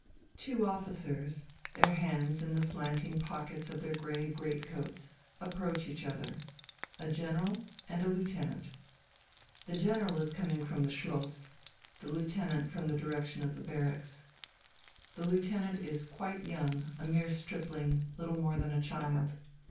Two officers, their hands in the slanting pockets of their grey great coats, approach each other; a general and a lieutenant. The general is coming from the Schloss, the lieutenant from the direction of the barracks. The lieutenant is quite young, a mere stripling, little more than a child.